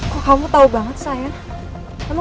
kok kamu tau banget sayang